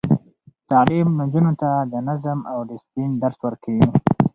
تعلیم نجونو ته د نظم او دسپلین درس ورکوي.